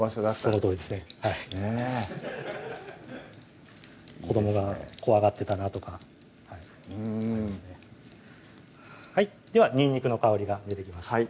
そのとおりですね子どもが怖がってたなとかうんではにんにくの香りが出てきました